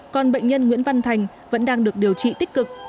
còn bệnh nhân nguyễn văn thành vẫn đang được điều trị tích cực